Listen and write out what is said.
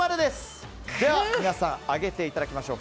では皆さん上げていただきましょう。